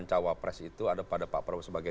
cawapres itu ada pada pak prabowo sebagai